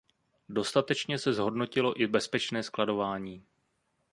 Dostatečně se zhodnotilo i bezpečné skladování.